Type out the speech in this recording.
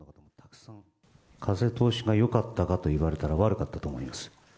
風通しがよかったかと言われたら、悪かったと思います。